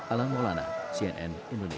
alan maulana cnn indonesia